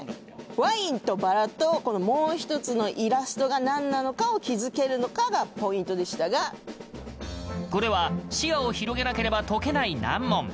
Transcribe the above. ワインとバラとこのもうひとつのイラストがなんなのかを気付けるのかがポイントでしたがこれは、視野を広げなければ解けない難問。